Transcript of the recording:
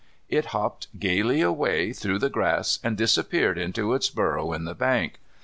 It hopped gaily away through the grass and disappeared into its burrow in the bank.